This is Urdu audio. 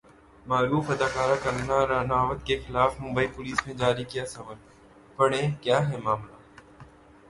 معروف اداکارہ کنگنا رناوت کے خلاف ممبئی پولیس نے جاری کیا سمن ، پڑھیں کیا ہے معاملہ